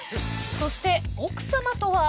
そして、奥様とは？